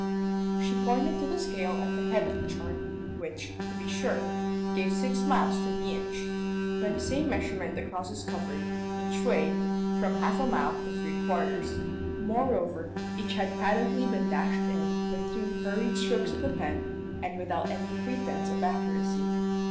She pointed to the scale at the head of the chart, which, to be sure, gave six miles to the inch. By the same measurement the crosses covered, each way, from half a mile to three quarters. Moreover, each had patently been dashed in with two hurried strokes of the pen and without any pretence of accuracy.